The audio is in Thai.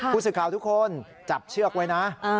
พูดสิทธิ์คราวทุกคนจับเชือกไว้นะ